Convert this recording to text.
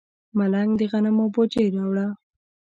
ملنګ د غنمو بوجۍ راوړه.